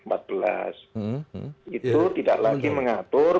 itu tidak lagi mengatur